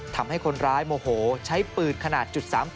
ทำให้คนร้ายโมโหใช้ปืนขนาด๓๘